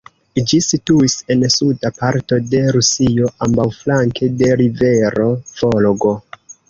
Ĝi situis en suda parto de Rusio ambaŭflanke de rivero Volgo.